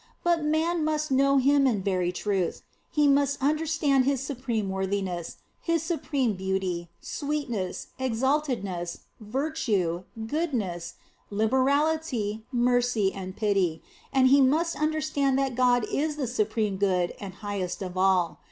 But man must know Him in very truth ; he must understand His supreme worthiness, His supreme beauty, sweetness, exaltedness, virtue, goodness, liberality, mercy, and pity, and he must understand that God is the supreme good and highest of all.